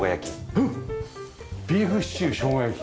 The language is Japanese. えっビーフシチューしょうが焼き。